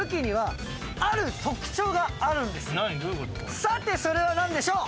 さてそれは何でしょう？